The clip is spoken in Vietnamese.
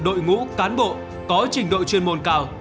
đội ngũ cán bộ có trình độ chuyên môn cao